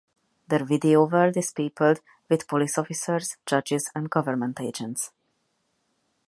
Their video world is peopled with police officers, judges, and government agents.